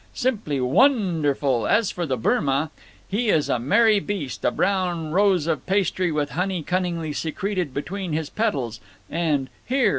Simply won derful. As for the bourma, he is a merry beast, a brown rose of pastry with honey cunningly secreted between his petals and—Here!